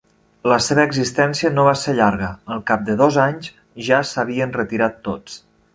La seva existència no va ser llarga; al cap de dos anys ja s'havien retirat tots.